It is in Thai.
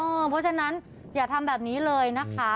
เพราะฉะนั้นอย่าทำแบบนี้เลยนะคะ